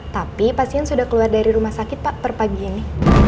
tapi pasien sudah keluar dari rumah sakit pak per pagi ini